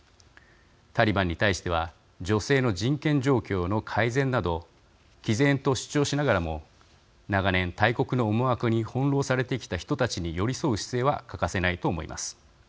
タリバンに対しては女性の人権状況の改善などきぜんと主張しながらも長年、大国の思惑に翻弄されてきた人たちに寄り添う姿勢は欠かせないと思います。